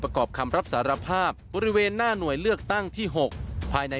ประกอบคำรับสารภาพบริเวณหน้าหน่วยเลือกตั้งที่๖ภายใน